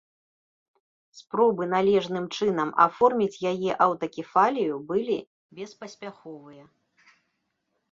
Спробы належным чынам аформіць яе аўтакефалію былі беспаспяховыя.